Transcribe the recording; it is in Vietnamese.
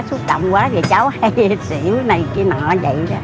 xúc động quá thì cháu hay xỉu này kia nọ vậy đó